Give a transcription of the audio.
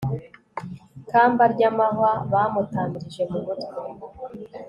kamba ry'amahwa, bamutamirije mu mutwe